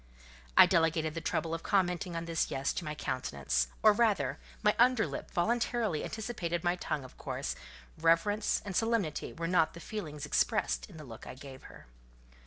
I delegated the trouble of commenting on this "yes" to my countenance; or rather, my under lip voluntarily anticipated my tongue of course, reverence and solemnity were not the feelings expressed in the look I gave her.